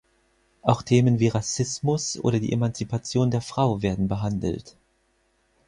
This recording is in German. Auch Themen wie Rassismus oder die Emanzipation der Frau werden behandelt.